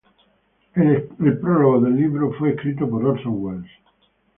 El prólogo del libro fue escrito por Orson Welles.